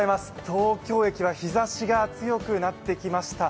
東京駅は日ざしが強くなってきました。